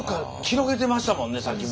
広げてましたもんねさっき。